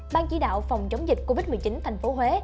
ban chỉ đạo phòng chống dịch covid một mươi chín thành phố huế